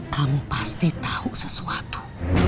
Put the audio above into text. kamu pasti tahu sesuatu